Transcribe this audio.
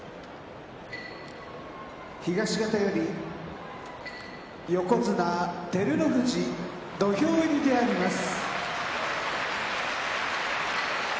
東方より横綱照ノ富士土俵入りであります。